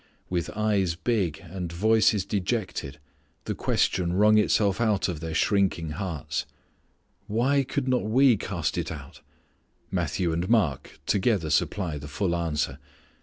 With eyes big, and voices dejected, the question wrung itself out of their sinking hearts, "Why could not we cast it out?" Matthew and Mark together supply the full answer.